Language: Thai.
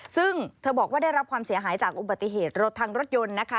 ซึ่งเธอบอกว่าได้รับความเสียหายจากอุบัติเหตุรถทางรถยนต์นะคะ